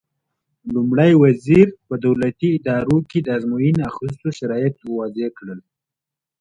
لومړي وزیر په دولتي ادارو کې د ازموینې اخیستو شرایط وضع کړل.